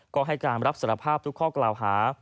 ก็ให้การรับสารภาพทุกข้อกล่าวหา